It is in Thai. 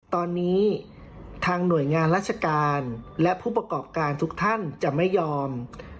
ตอนนี้ทางหน่วยงานราชการและผู้ประกอบการทุกท่านจะไม่ยอม